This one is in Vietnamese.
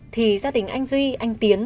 thì gia đình anh duy anh tiến